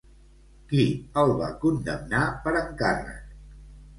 Qui el va condemnar per encàrrec?